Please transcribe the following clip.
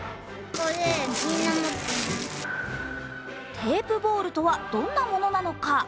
テープボールとはどんなものなのか。